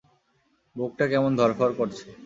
বুকটা কেমন ধড়ফড় করছে!